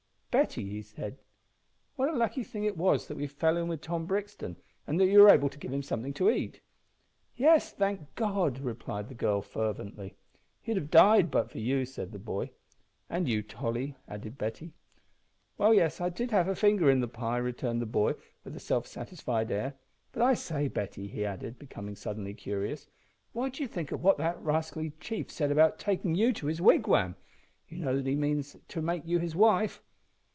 "Betty," said he, "what a lucky thing it was that we fell in wi' Tom Brixton, and that you were able to give him somethin' to eat." "Yes, thank God," replied the girl, fervently. "He'd have died but for you," said the boy. "And you, Tolly," added Betty. "Well, yes, I did have a finger in the pie," returned the boy, with a self satisfied air; "but I say, Betty," he added, becoming suddenly serious, "what d'ye think o' what that rascally chief said about takin' you to his wigwam? You know that means he intends to make you his wife."